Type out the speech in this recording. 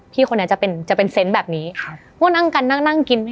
พี่คนนี้จะเป็นเซ็นต์แบบนี้พวกนั่งกันนั่งนั่งกิน